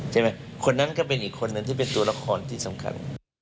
ใช่ไหมคนนั้นก็เป็นอีกคนนึงที่เป็นตัวละครที่สำคัญ